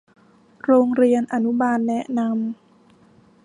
โรงเรียนอนุบาลแนะนำ